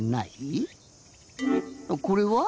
これは？